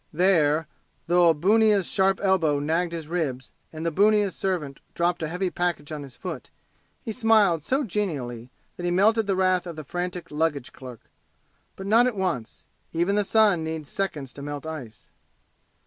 There, though a bunnia's sharp elbow nagged his ribs, and the bunnia's servant dropped a heavy package on his foot, he smiled so genially that he melted the wrath of the frantic luggage clerk. But not at once. Even the sun needs seconds to melt ice.